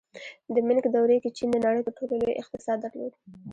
د مینګ دورې کې چین د نړۍ تر ټولو لوی اقتصاد درلود.